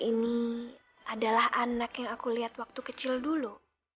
ini adalah anak yang aku lihat waktu kecil dulu